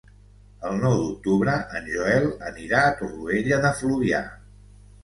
El nou d'octubre en Joel anirà a Torroella de Fluvià.